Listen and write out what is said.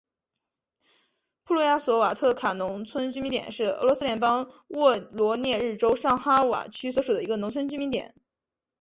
普利亚索瓦特卡农村居民点是俄罗斯联邦沃罗涅日州上哈瓦区所属的一个农村居民点。